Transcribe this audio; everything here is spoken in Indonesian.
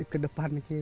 ke depan lagi